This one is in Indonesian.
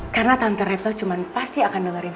karena tante reto cuma pasti akan dengerin